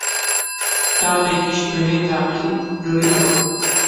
تاقێکیش وێنەی تاقی برۆی ئەو